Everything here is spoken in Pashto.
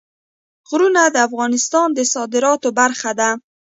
غرونه د افغانستان د صادراتو برخه ده.